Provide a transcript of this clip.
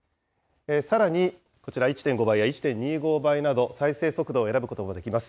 さらに、こちら１．５倍や、１．２５倍など、再生速度を選ぶこともできます。